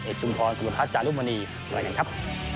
เอชจุมภรสวทธาตุจารุมณีไปกันครับ